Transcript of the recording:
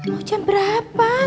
mau jam berapa samarinja